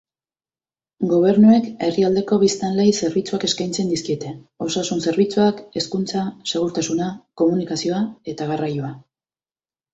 Gobernuek herrialdeko biztanleei zerbitzuak eskaintzen dizkiete: osasun zerbitzuak, hezkuntza, segurtasuna, komunikazioa eta garraioa.